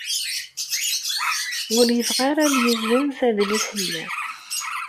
Ur yebɣa ara ad yezzenz adlis-nni